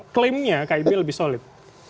klaimnya kib lebih solid